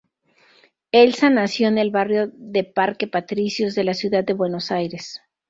Elsa nació en el barrio de Parque Patricios de la ciudad de Buenos Aires.